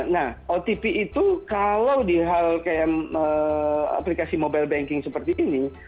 nah otp itu kalau di hal kayak aplikasi mobile banking seperti ini